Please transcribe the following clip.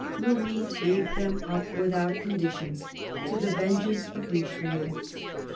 Louis gave them up, without conditions, to the vengeance of Richelieu.